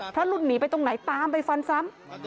รุ่นหนีไปตรงไหนตามไปฟันซ้ำ